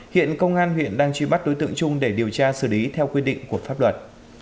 hiện công an huyện đang truy bắt đối tượng trung để điều tra xử lý theo quy định của pháp luật